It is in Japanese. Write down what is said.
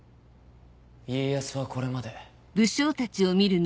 家康はこれまで。